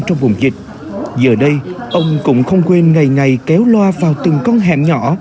trong vùng dịch giờ đây ông cũng không quên ngày ngày kéo loa vào từng con hẹm nhỏ